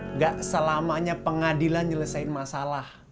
nggak selamanya pengadilan nyelesain masalah